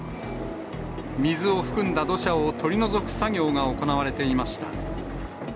水を含んだ土砂を取り除く作業が行われていました。